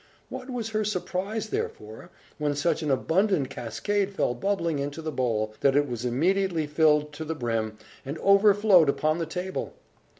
What was her surprise, therefore, when such an abundant cascade fell bubbling into the bowl, that it was immediately filled to the brim, and overflowed upon the table!